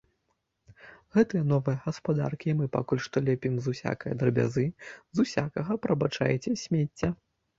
Гэтыя новыя гаспадаркі мы пакуль што лепім з усякае драбязы, з усякага, прабачайце, смецця.